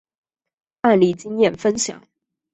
案例经验分享